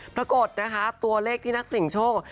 ปรากฏนะคะตัวเลขที่นักเสียงโชค